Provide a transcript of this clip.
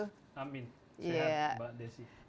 sehat mbak desi